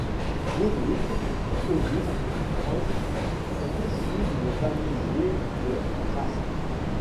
Ludwig August Frankl est issu d'une famille juive de Chrast.